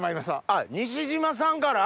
あっ西島さんから？